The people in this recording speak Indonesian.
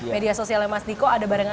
media sosialnya mas diko ada barangan